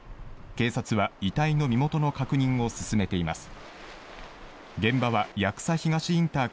警察は遺体の身元の確認を進めています。